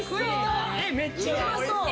めっちゃうまそう！